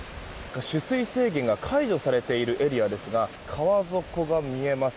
取水制限が解除されているエリアですが川底が見えます。